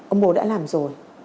ông bố đã làm rồi